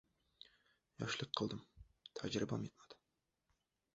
Yoshlik qildim, tajribam yetmadi.